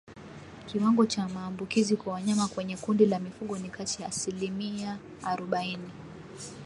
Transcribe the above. Kiwango cha maambukizi kwa wanyama kwenye kundi la mifugo ni kati ya asilimi arobaini